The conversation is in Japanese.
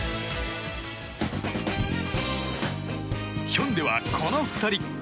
ヒョンデは、この２人。